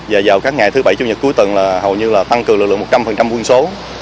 và vào các ngày thứ bảy chủ nhật cuối tuần là hầu như là tăng cường lực lượng một trăm linh quân số